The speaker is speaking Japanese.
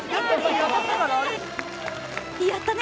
やったね！